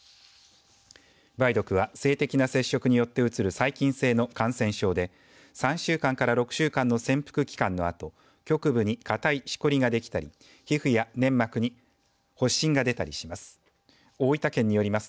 梅毒は性的な接触によって移る細菌性の感染症で３週間から６週間の潜伏期間のあと局部に硬いしこりができたり皮膚や粘膜に発疹が出たりします。